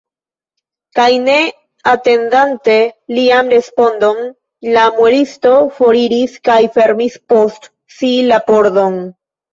Kaj ne atendante lian respondon, la muelisto foriris kaj fermis post si la pordon.